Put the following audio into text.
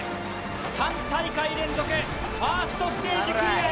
３大会連続、ファーストステージクリアへ。